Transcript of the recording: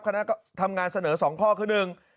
คณะทำงานเสนอสองข้อคือหนึ่ง